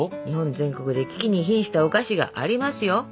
日本全国で危機に瀕したお菓子がありますよ。